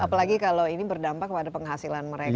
apalagi kalau ini berdampak pada penghasilan mereka